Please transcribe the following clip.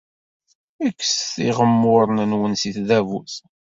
Kkset iɣemmuren-nwen seg tdabut.